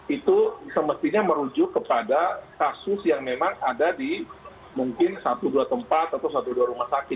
itu semestinya merujuk kepada kasus yang memang ada di mungkin satu dua tempat atau satu dua rumah sakit